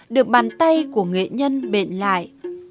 được bàn tay của nghệ nhân bệnh lại